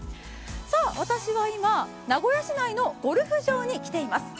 私は今、名古屋市内のゴルフ場に来ています。